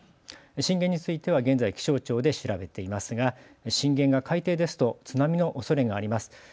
震源については現在気象庁で調べていますが震源が海底ですと津波のおそれがあります。